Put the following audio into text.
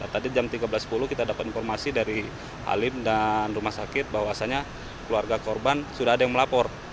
tadi jam tiga belas sepuluh kita dapat informasi dari alim dan rumah sakit bahwasannya keluarga korban sudah ada yang melapor